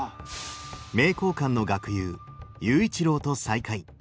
名教館の学友佑一郎と再会。